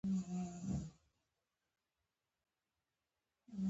کلی بیدار شو.